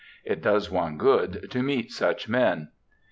It does one good to meet such men.'